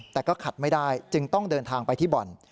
แต่ก็ขัดไม่ได้จึงต้องเดินทางไปที่บ่อน